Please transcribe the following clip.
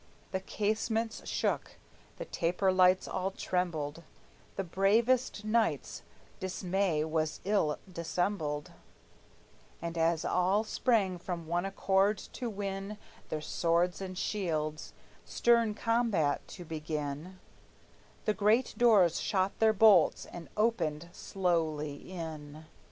The casements shook, the taper lights all trembled; The bravest knight's dismay was ill dissembled; And as all sprang with one accord to win Their swords and shields, stern combat to begin, The great doors shot their bolts, and opened slowly in.